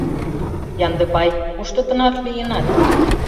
— Яндыбай, кушто тынар лийынат?